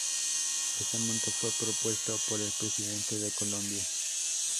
Este monto fue propuesto por el Presidente de Colombia.